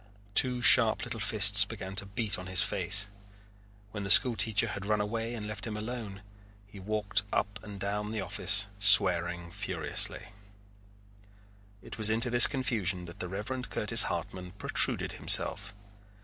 Two sharp little fists began to beat on his face. When the school teacher had run away and left him alone, he walked up and down the office swearing furiously. It was into this confusion that the Reverend Curtis Hartman protruded himself.